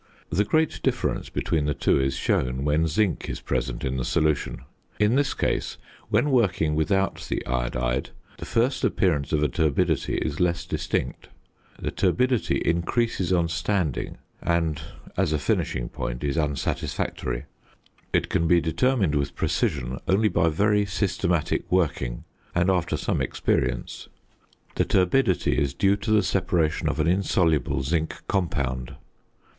The great difference between the two is shown when zinc is present in the solution. In this case, when working without the iodide, the first appearance of a turbidity is less distinct; the turbidity increases on standing and as a finishing point is unsatisfactory. It can be determined with precision only by very systematic working and after some experience. The turbidity is due to the separation of an insoluble zinc compound.